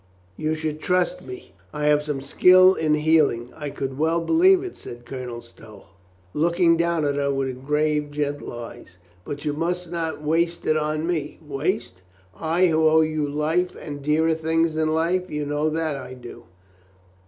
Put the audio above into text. "You should trust me. I have some skill in heal mg. "I can well believe it," said Colonel Stow, looking 414 COLONEL GREATHEART down at her with grave, gentle eyes. "But you must not waste it on me." "Waste? I who owe you life and dearer things than life? You know that I do."